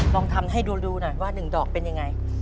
ลองทำให้ดูหน่อยว่า๑ดอกเป็นยังไง